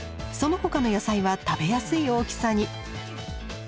そのほかの野菜は食べやすい大きさに。